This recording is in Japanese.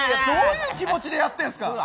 どういう気持ちでやってるんですか。